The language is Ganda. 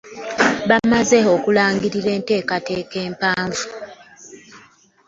Bamaze okulangirira enteekateeka empanvu.